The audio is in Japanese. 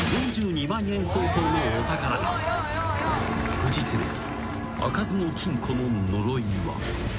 ［フジテレビ開かずの金庫の呪いは］